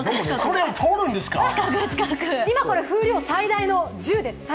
今、風量最大の１０です。